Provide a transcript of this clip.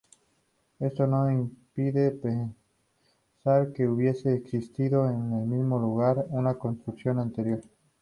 Esto no impide pensar que hubiera existido en el mismo lugar una construcción anterior.